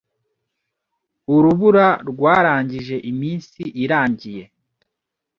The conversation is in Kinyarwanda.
Urubura rwarangije iminsi irangiye.